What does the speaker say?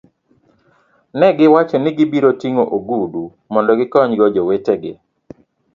Ne giwacho ni gibiro ting'o ogudu mondo gikonygo jowetegi.